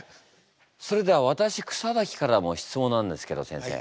それではわたし草滝からも質問なんですけど先生